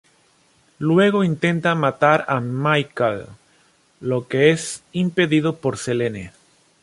Luego intenta matar a Michael, lo que es impedido por Selene.